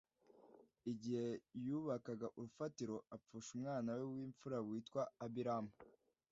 Igihe yubakaga urufatiro apfusha umwana we w’imfura witwaga Abiramu